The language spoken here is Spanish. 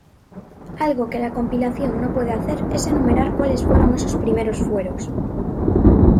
Algo que la compilación no hace es enumerar cuales fueron esos primeros fueros.